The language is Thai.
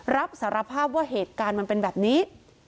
รับสารภาพว่าเหตุการณ์มันเป็นแบบนี้